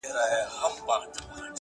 لكه د دوو جنـــــــگ؛